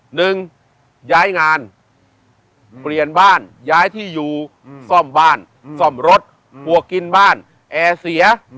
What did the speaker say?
หนึ่งย้ายงานเปลี่ยนบ้านย้ายที่อยู่ซ่อมบ้านซ่อมรถบวกกินบ้านแอร์เสีย